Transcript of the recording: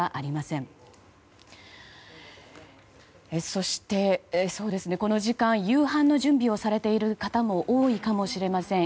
そして、この時間夕飯の準備をされている方も多いかもしれません。